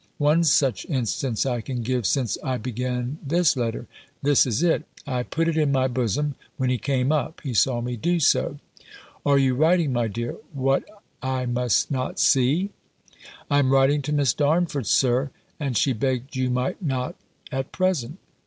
One such instance I can give since I began this letter. This is it: I put it in my bosom, when he came up: he saw me do so: "Are you writing, my dear, what I must not see?" "I am writing to Miss Darnford, Sir: and she begged you might not at present."